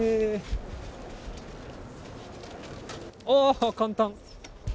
あー、簡単！